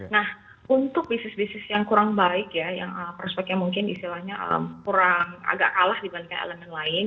nah untuk bisnis bisnis yang kurang baik ya yang prospeknya mungkin istilahnya kurang agak kalah dibandingkan elemen lain